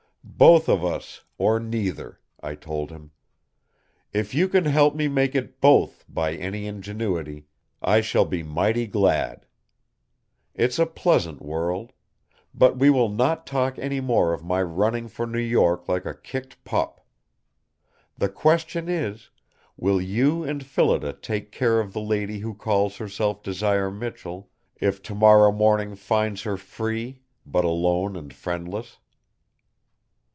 "Both of us, or neither," I told him. "If you can help me make it both by any ingenuity, I shall be mighty glad. It's a pleasant world! But we will not talk any more of my running for New York like a kicked pup. The question is, will you and Phillida take care of the lady who calls herself Desire Michell, if tomorrow morning finds her free, but alone and friendless?"